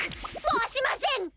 もうしません！